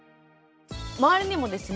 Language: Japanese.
周りにもですね